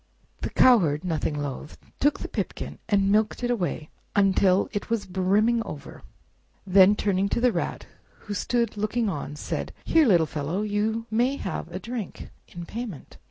The Cowherd, nothing loath, took the pipkin and milked away until it was brimming over; then turning to the Rat, who stood looking on, said, "Here, little fellow, You may have a drink, in payment."